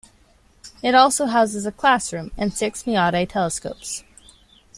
It also houses a classroom and six Meade telescopes.